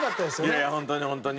いやいやホントにホントに。